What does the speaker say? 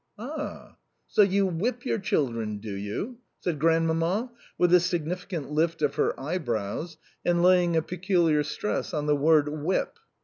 "Ah! So you WHIP your children, do you" said Grandmamma, with a significant lift of her eyebrows, and laying a peculiar stress on the word "WHIP."